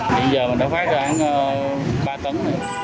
bây giờ mình đã phát ra ba tấn